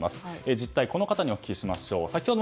実態、この方にお聞きしましょう。